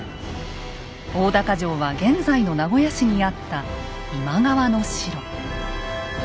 大高城は現在の名古屋市にあった今川の城。